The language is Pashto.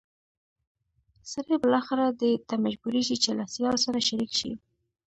سړی بالاخره دې ته مجبورېږي چې له سیال سره شریک شي.